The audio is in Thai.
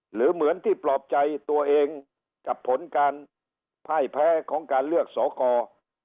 หรือเหมือนที่ปลอบใจตัวเองกับผลการพ่ายแพ้ของการเลือกสอกร